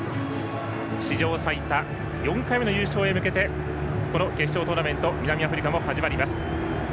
史上最多、４回目の優勝へ向けてこの決勝トーナメント南アフリカも始まります。